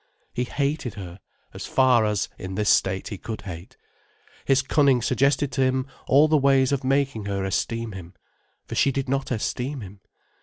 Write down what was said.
He hated her, as far as, in this state, he could hate. His cunning suggested to him all the ways of making her esteem him. For she did not esteem him.